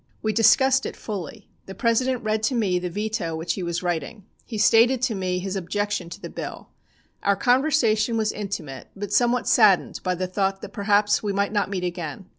We discussed it fully. The President read to me the veto which he was writing. He stated to me his objection to the bill. Our conversation was intimate, but somewhat saddened by the thought that perhaps we might not meet again.